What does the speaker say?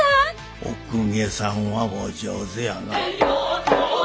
お公家さんはお上手やなぁ。